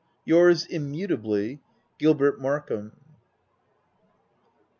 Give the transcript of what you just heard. Yours immutably, Gilbert Markham.